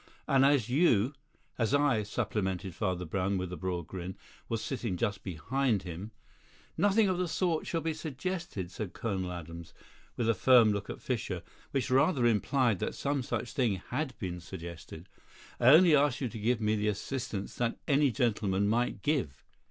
And as you " "As I," supplemented Father Brown, with a broad grin, "was sitting just behind him " "Nothing of the sort shall be suggested," said Colonel Adams, with a firm look at Fischer, which rather implied that some such thing had been suggested. "I only ask you to give me the assistance that any gentleman might give."